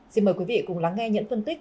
xin mời quý vị cùng lắng nghe những phân tích